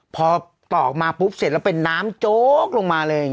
พอตอกมาปุ๊บเสร็จแล้วเป็นน้ำโจ๊กลงมาเลย